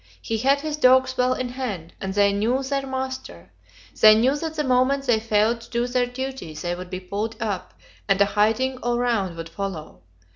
He had his dogs well in hand, and they knew their master. They knew that the moment they failed to do their duty they would be pulled up, and a hiding all round would follow.